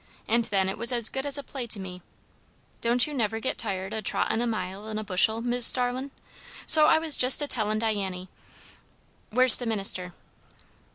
And then it was as good as a play to me. Don't you never git tired o' trottin' a mile in a bushel, Mis' Starlin'? So I was jest a tellin' Diany" "Where's the minister?"